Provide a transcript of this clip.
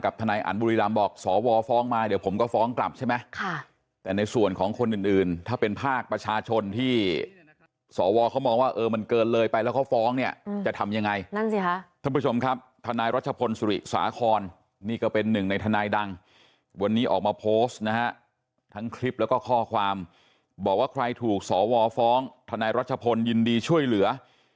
บอกว่าใครถูกสอวอฟ้องธนายรัชพลยินดีช่วยเหลือ